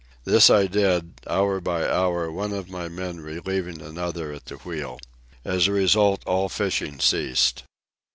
This I did, hour by hour one of my men relieving another at the wheel. As a result all fishing ceased.